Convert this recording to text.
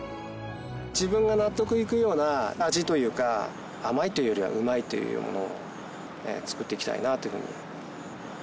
自分が納得いくような味というか甘いというよりはうまいというものを作っていきたいなというふうに。